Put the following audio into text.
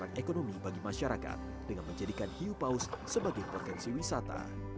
dan menjaga ekonomi bagi masyarakat dengan menjadikan hiu paus sebagai frekuensi wisata